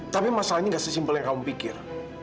tapi masalah ini nggak sesimpel yang kamu pikir